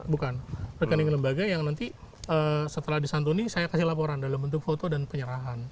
bukan rekening lembaga yang nanti setelah disantuni saya kasih laporan dalam bentuk foto dan penyerahan